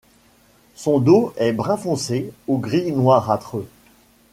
Son dos est brun foncé ou gris noirâtre.